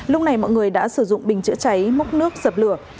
lúc này mọi người đã sử dụng bình chữa cháy mốc nước sập lửa